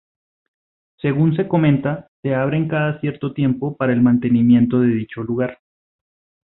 Según se comenta, se abren cada cierto tiempo para el mantenimiento de dicho lugar.